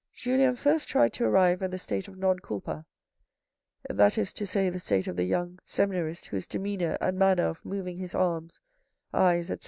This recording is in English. Julien first tried to arrive at the state of non culpa, that is to say the state of the young seminarist whose demeanour and manner of moving his arms, eyes, etc.